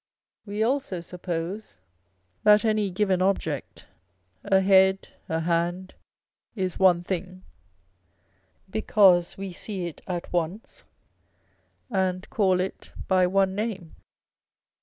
We also suppose that any given object, a head, a hand, is one thing, because we see it at once, and call it by one name.